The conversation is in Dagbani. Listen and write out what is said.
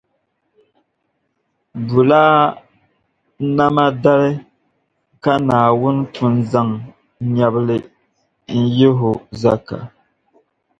Bulaa nama dali ka Naawuni pun zaŋ nyɛbili n-yihi o zaka.